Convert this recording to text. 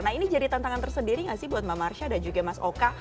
nah ini jadi tantangan tersendiri gak sih buat mbak marsha dan juga mas oka